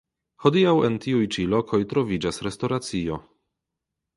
Hodiaŭ en tiuj ĉi lokoj troviĝas restoracio.